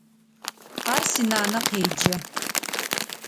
Ар синанэ къеджэ.